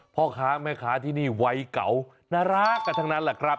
พ่อค้าแม่ค้าที่นี่วัยเก่าน่ารักกันทั้งนั้นแหละครับ